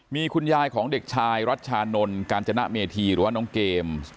มีคุณยายของเด็กชายรัชชานนท์กาญจนเมธีหรือว่าน้องเกมส์